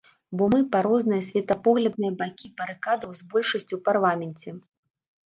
Бо мы па розныя светапоглядныя бакі барыкадаў з большасцю ў парламенце.